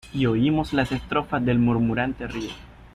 Y oímos las estrofas del murmurante río.